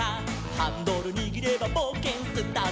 「ハンドルにぎればぼうけんスタート！」